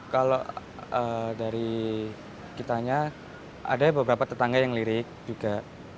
kalau dari kitanya ada beberapa tetangga yang lirik juga